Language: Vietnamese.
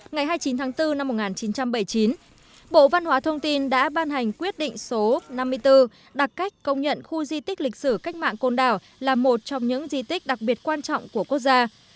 ngày hai mươi chín tháng bốn năm một nghìn chín trăm bảy mươi chín bộ văn hóa thông tin đã ban hành quyết định số năm mươi bốn đặt cách công nhận khu di tích lịch sử cách mạng côn đảo là một trong những di tích đặc biệt quan trọng của quốc gia